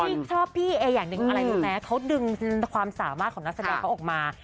พี่ชอบพี่เออย่างหนึ่งอะไรรู้ไหมเขาดึงความสามารถของนักแสดงเขาออกมา